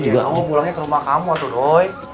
kamu pulangnya ke rumah kamu tuh doi